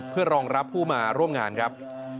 เพื่อรองรับผู้มาร่วมงานครับ